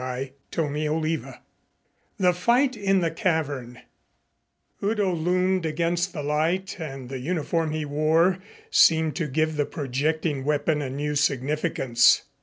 CHAPTER XX THE FIGHT IN THE CAVERN Udo loomed against the light and the uniform he wore seemed to give the projecting weapon a new significance.